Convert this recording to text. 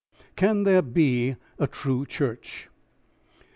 CAN THERE BE A TRUE CHURCH?